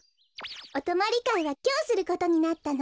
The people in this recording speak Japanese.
おとまりかいはきょうすることになったの。